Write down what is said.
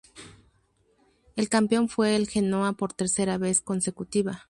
El campeón fue el Genoa por tercera vez consecutiva.